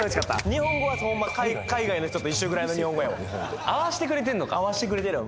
日本語はほんま海外の人と一緒ぐらいの日本語やわ合わしてくれてんのか合わしてくれてるよ